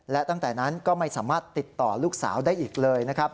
และตั้งแต่นั้นก็ไม่สามารถติดต่อลูกสาวได้อีกเลยนะครับ